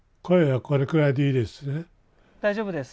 大丈夫です。